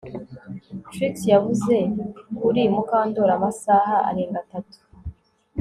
Trix yavuze kuri Mukandoli amasaha arenga atatu